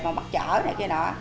mà bắt chở này kia nọ